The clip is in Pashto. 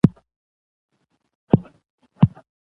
دښتې د ناحیو ترمنځ تفاوتونه راولي.